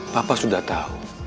papa sudah tau